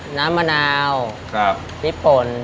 หน้ามะนาวคลิปมนต์